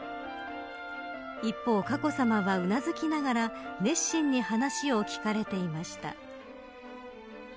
一方、佳子さまはうなずきながら熱心に話を聞かれていました。